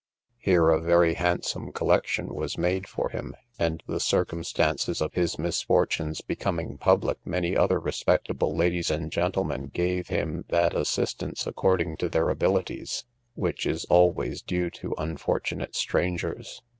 Here a very handsome collection was made for him; and the circumstances of his misfortunes becoming public, many other respectable ladies and gentlemen gave him that assistance according to their abilities, which is always due to unfortunate strangers.